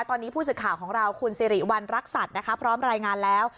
ตอนนี้ผู้สื่อข่าวของเราคุณสิริวัณรักษัตริย์นะคะพร้อมรายงานแล้ว